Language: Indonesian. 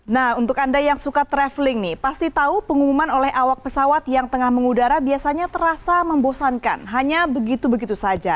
nah untuk anda yang suka traveling nih pasti tahu pengumuman oleh awak pesawat yang tengah mengudara biasanya terasa membosankan hanya begitu begitu saja